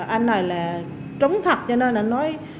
anh này là trúng thật cho nên là nói